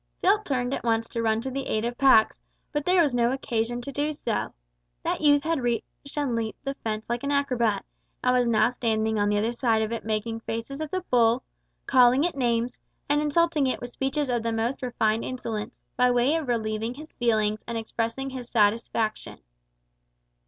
Phil turned at once to run to the aid of Pax, but there was no occasion to do so. That youth had reached and leaped the fence like an acrobat, and was now standing on the other side of it making faces at the bull, calling it names, and insulting it with speeches of the most refined insolence, by way of relieving his feelings and expressing his satisfaction.